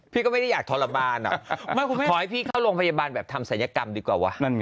พี่ก็ไม่ได้อยากทรมานขอให้พี่เข้าโรงพยาบาลแบบทำศัลยกรรมดีกว่าวะ